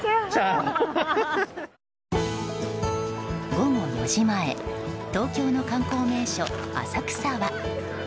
午後４時前東京の観光名所・浅草は。